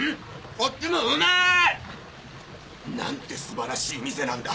こっちもうまーいなんてすばらしい店なんだ